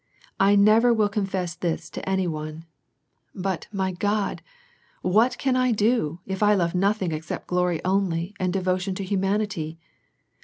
I never will confess this to any one ! But Day God ! what can T do, if I love nothing except glory only, and devotion to humanity.